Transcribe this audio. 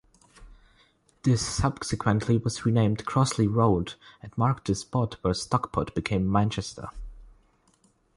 This subsequently was renamed Crossley Road, and marked the spot where Stockport became Manchester.